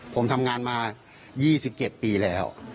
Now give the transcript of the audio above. ผมทำงานมา๒๗ปีแล้ว